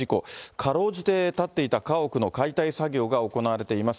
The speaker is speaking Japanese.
かろうじて建っていた家屋の解体作業が行われています。